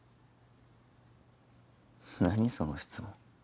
その質問。